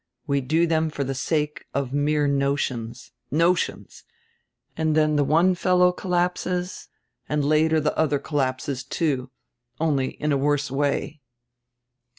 We do them for the sake of mere notions — notions! And then the one fellow collapses and later die other collapses, too, only in a worse way."